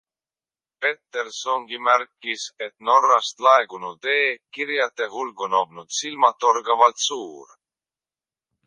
Pettersongi märkis, et Norrast laekunud e-kirjade hulk on olnud silmatorkavalt suur.